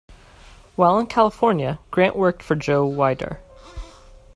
While in California Grant worked for Joe Weider.